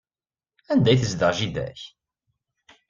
Anda ay tezdeɣ jida-k?